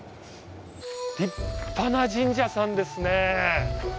立派な神社さんですね。